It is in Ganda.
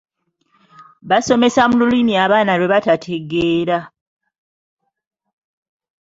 Basomesa mu Lulimi abaana lwe batategeera